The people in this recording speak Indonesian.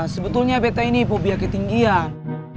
sebetulnya beta ini pobia ketinggian